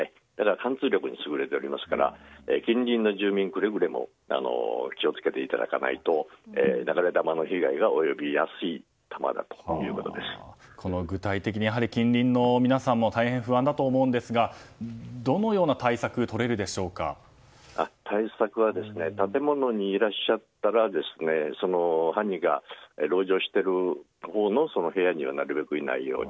貫通力に優れておりますから近隣の住民はくれぐれも気を付けていただかないと流れ弾の被害が及びやすい具体的に近隣の皆さん大変不安だと思いますがどのような対策が対策は建物にいらっしゃったら犯人が籠城しているほうの部屋にはなるべくいないように。